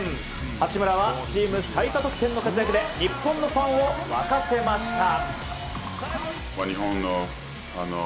八村はチーム最多得点の活躍で日本のファンを沸かせました。